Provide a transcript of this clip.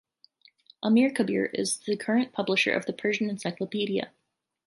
Amirkabir is the current publisher of The Persian Encyclopedia.